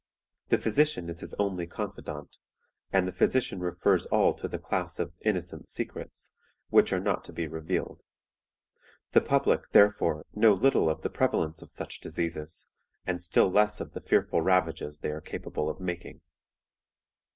The physician is his only confidant, and the physician refers all to the class of 'innocent secrets,' which are not to be revealed. The public, therefore, know little of the prevalence of such diseases, and still less of the fearful ravages they are capable of making.